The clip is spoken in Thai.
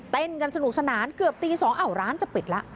เต้นกันสนุกสนานเกือบตี๒อ้าวร้านจะปิดแล้ว